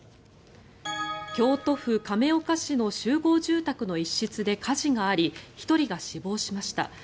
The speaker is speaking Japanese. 京都府亀岡市の集合住宅の一室で火事があり１人が死亡しました。